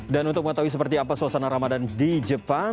dan untuk mengetahui seperti apa suasana ramadan di jepang